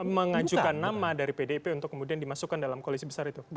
mengajukan nama dari pdip untuk kemudian dimasukkan dalam koalisi besar itu